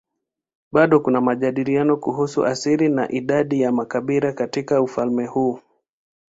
Bado kuna majadiliano kuhusu asili na idadi ya makabila katika ufalme huu.